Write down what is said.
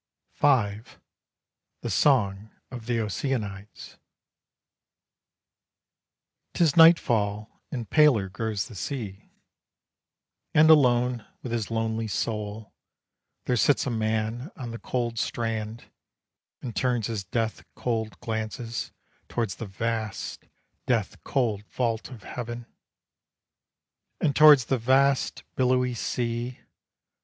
V. THE SONG OF THE OCEANIDES. 'Tis nightfall and paler grows the sea. And alone with his lonely soul, There sits a man on the cold strand And turns his death cold glances Towards the vast, death cold vault of heaven, And toward the vast, billowy sea.